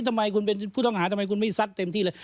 ทำไมคุณเป็นผู้ต้องหาทำไมคุณไม่ซัดเต็มที่เลย